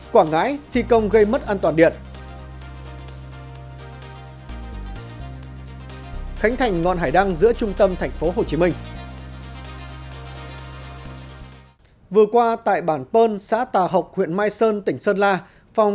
quảng ngãi thi công gây mất ảnh hưởng